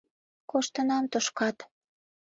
— Коштынам тушкат.